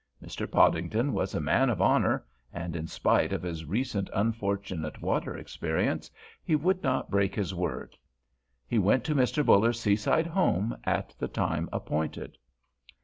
Mr. Podington was a man of honor, and in spite of his recent unfortunate water experience he would not break his word. He went to Mr. Buller's seaside home at the time appointed.